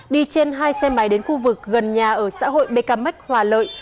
đi trên hai xe máy đến khu vực gần nhà ở xã hội bkm hoà lợi